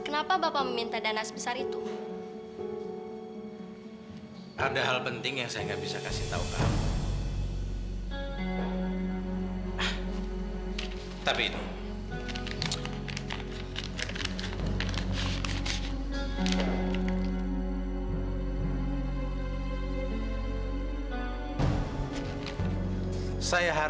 sampai jumpa di video selanjutnya